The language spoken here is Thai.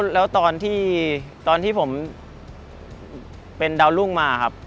แล้วตอนที่ผมเป็นดาวรุ่งมาครับ